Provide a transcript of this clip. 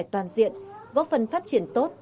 toàn diện góp phần phát triển tốt